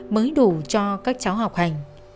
mới đủ cho các cháu học hành